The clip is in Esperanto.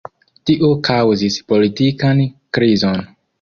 Tio kaŭzis politikan krizon.